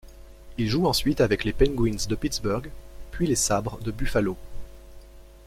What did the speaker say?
Il joue ensuite avec les Penguins de Pittsburgh puis les Sabres de Buffalo.